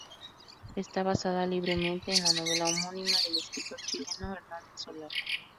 Está basada libremente en la novela homónima del escritor chileno Hernán del Solar.